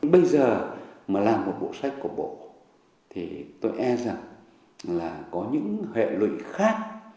bây giờ mà làm một bộ sách của bộ thì tôi e rằng là có những hệ lụy khác